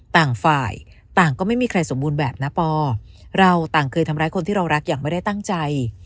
ต่างฝ่ายต่างก็ไม่มีใครสมบูรณ์แบบนะปอเราต่างเคยทำร้ายคนที่เรารักอย่างไม่ได้ตั้งใจ